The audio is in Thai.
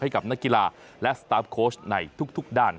ให้กับนักกีฬาและสตาร์ฟโค้ชในทุกด้าน